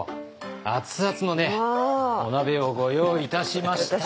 熱々のねお鍋をご用意いたしました。